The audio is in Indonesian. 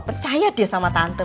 percaya deh sama tante